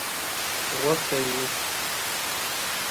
غوښتی وو.